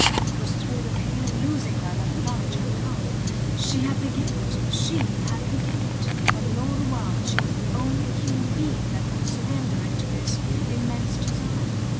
It was through the pain of losing her that the knowledge had come. She had the gift! She had the gift! And in all the world she was the only human being that could surrender it to his immense desire.